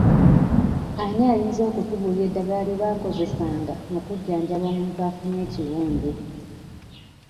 Ani ayinza okutubuulira eddagala lye baakozesanga mu kujanjaba omuntu afunye ekiwundu?